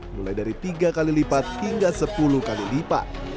mulai dari tiga kali lipat hingga sepuluh kali lipat